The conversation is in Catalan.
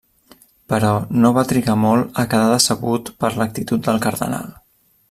Però no va trigar molt a quedar decebut per l’actitud del cardenal.